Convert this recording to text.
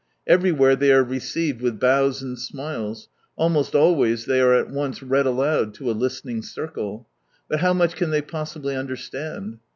Everywhere they are received with bows and smiles, almost always they are at once read aloud to a listening circle. But how much can they possibly understand